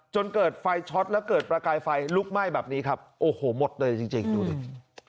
จนเกิดไฟช็อตแล้วเกิดประกายไฟลุกไหม้แบบนี้ครับโอ้โหหมดเลยจริงดูดิ